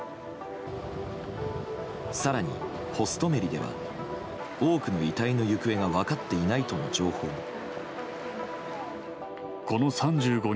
更に、ホストメリでは多くの遺体の行方が分かっていないとの情報も。